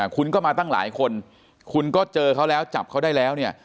คุณก็มาตั้งหลายคนคุณก็เจอเขาแล้วจับเขาได้แล้วเนี่ย